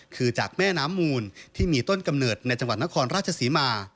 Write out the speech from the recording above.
คือจากแม่น้ำมูลที่มีต้นกำเนิดในจังหวัดนครราชศรีมา